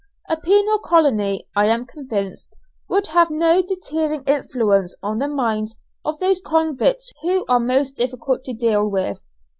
A penal colony, I am convinced, would have no deterring influence on the minds of those convicts who are most difficult to deal with.